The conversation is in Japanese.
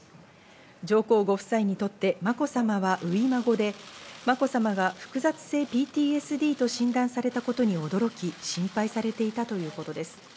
上皇ご夫妻にとってまこさまは初孫で、まこさまが複雑性ＰＴＳＤと診断されたことに驚き、心配されていたということです。